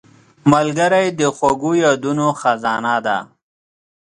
ملګری د خوږو یادونو خزانه ده